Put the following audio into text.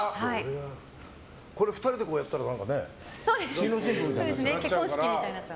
これ、２人でやったらね新郎新婦みたいになっちゃう。